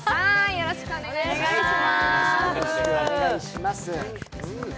よろしくお願いします。